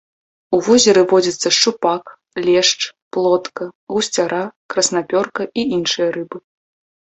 У возеры водзяцца шчупак, лешч, плотка, гусцяра, краснапёрка і іншыя рыбы.